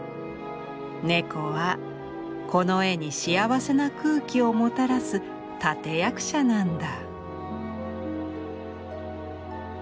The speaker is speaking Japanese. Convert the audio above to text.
猫はこの絵に幸せな空気をもたらす立て役者なんだ」。